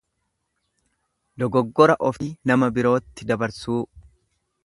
Dogoggora ofii nama birootti dabarsuu.